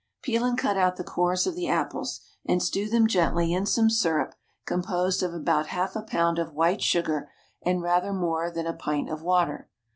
Peel and cut out the cores of the apples, and stew them gently in some syrup composed of about half a pound of white sugar and rather more than a pint of water.